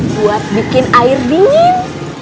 buat bikin air dingin